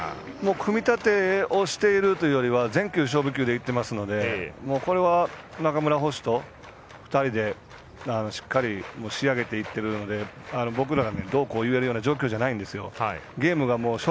組み立てをしているというよりは全球勝負球でいっていますので中村捕手としっかり仕上げていっているのでどうこう言える状況ではないですよ。